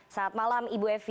saat malam ibu evi